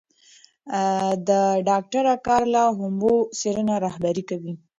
ډاکټره کارلا هومبو څېړنه رهبري کوي.